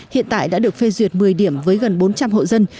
hiện tại đã được phê duyệt một mươi điểm với gần bốn trăm linh hộ dân